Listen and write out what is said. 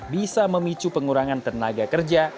bisa memicu pengurangan tenaga kerja